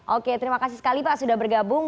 oke terima kasih sekali pak sudah bergabung